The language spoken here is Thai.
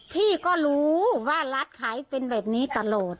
พี่ก็รู้ว่ารัฐขายเป็นแบบนี้ตะโหลด